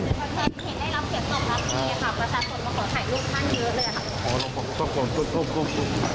พระขอถ่ายรูปกันเยอะเลยครับ